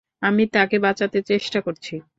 আমি তাকে বাঁচাতে চেষ্টা করছি!